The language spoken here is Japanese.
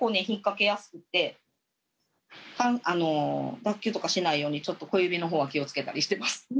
引っ掛けやすくてあの脱臼とかしないようにちょっと小指の方は気をつけたりしてます。